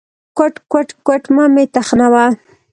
_کوټ، کوټ، کوټ… مه مې تخنوه.